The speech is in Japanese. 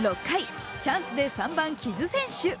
６回、チャンスで３番・木津選手。